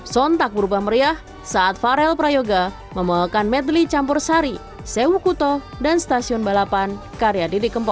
sontak berubah meriah saat farel prayoga membawakan medley campur sari sewukuto dan stasiun balapan karya didi kempo